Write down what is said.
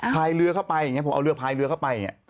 พายเรือเข้าไปผมเอาเรือพายเรือเข้าไป